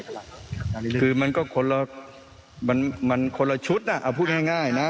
ขนาดนี้คือมันก็คนละมันมันคนละชุดน่ะเอาพูดง่ายง่ายนะ